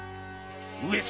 上様。